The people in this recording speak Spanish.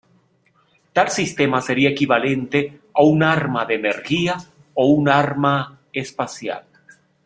Tal sistema sería equivalente a un arma de energía o un arma espacial.